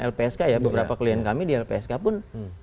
lpsk ya beberapa klien kami di lpsk pun